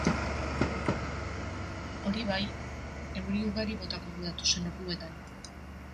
Hori bai, euri ugari botako du datozen orduetan.